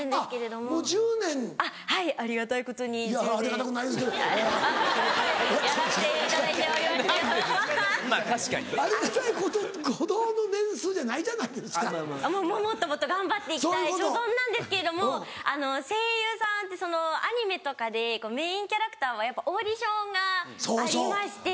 もっともっと頑張って行きたい所存なんですけれども声優さんってアニメとかでメインキャラクターはやっぱオーディションがありまして。